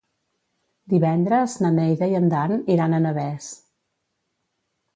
Divendres na Neida i en Dan iran a Navès.